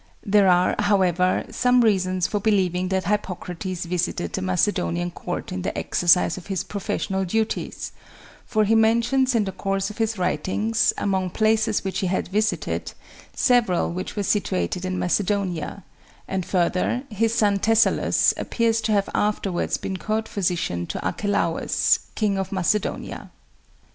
There are, however, some reasons for believing that Hippocrates visited the Macedonian court in the exercise of his professional duties, for he mentions in the course of his writings, among places which he had visited, several which were situated in Macedonia; and, further, his son Thessalus appears to have afterwards been court physician to Archelaus, King of Macedonia.